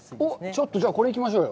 ちょっとじゃあ、これ行きましょうよ。